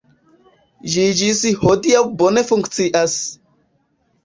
Ĝi ĝis hodiaŭ bone funkcias.